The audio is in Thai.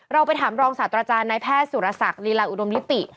เราไปถามรองศาสตราจารย์นายแพทย์สุรศักดิ์ลีลาอุดมลิปิ